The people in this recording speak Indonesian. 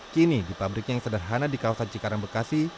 kini di pabriknya yang sederhana di kawasan cikarang bekasi